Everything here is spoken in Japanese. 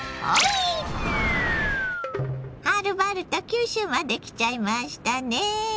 はるばると九州まで来ちゃいましたね。